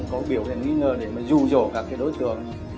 có biểu hiện nghi ngờ để dù dỗ các đối tượng